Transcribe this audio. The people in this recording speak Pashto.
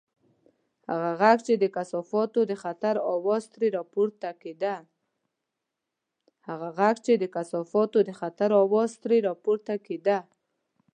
هغه غږ چې د کثافاتو د خطر اواز ترې راپورته کېده.